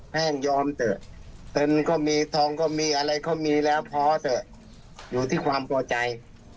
แห้งยอมเถอะเงินก็มีทองก็มีอะไรก็มีแล้วพอเถอะอยู่ที่ความพอใจ